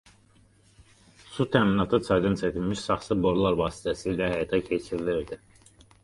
Su təminatı çaydan çəkilmiş saxsı borular vasitəsiylə həyata keçirilirdi.